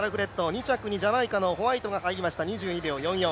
２着にジャマイカのホワイトが入りました、２２秒４４。